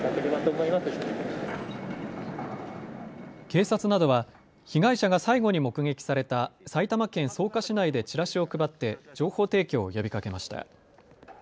警察などは被害者が最後に目撃された埼玉県草加市内でチラシを配って情報提供を呼びかけました。